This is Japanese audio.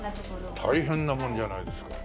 大変なもんじゃないですか。